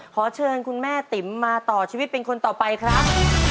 ขอเชิญคุณแม่ติ๋มมาต่อชีวิตเป็นคนต่อไปครับ